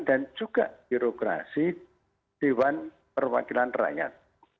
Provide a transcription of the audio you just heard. dan juga birokrasi dewan perwakilan rakyat